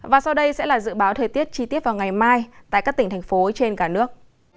và sau đây sẽ là dự báo thời tiết chi tiết vào ngày mai tại các tỉnh thành phố trên cả nước